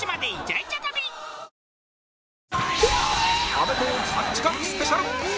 『アメトーーク』３時間スペシャル